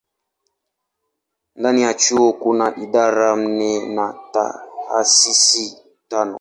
Ndani ya chuo kuna idara nne na taasisi tano.